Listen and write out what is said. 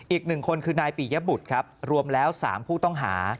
อีกหนึ่งคนคือนายปียบุตรรวมแล้ว๓ผู้ต้องหา